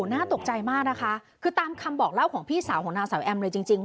น่าตกใจมากนะคะคือตามคำบอกเล่าของพี่สาวของนางสาวแอมเลยจริง